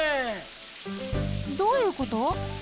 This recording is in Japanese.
どういうこと？